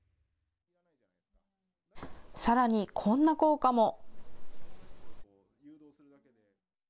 さらにこんな効果も。